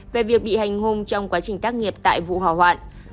về việc bị hành hung trong quá trình tác nghiệp tại vụ hỏa hoạn